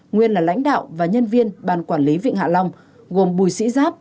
nguyên là lãnh đạo và nhân viên ban quản lý vịnh hạ long gồm bùi sĩ giáp